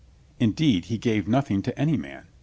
Indeed, he gave nothing to any man.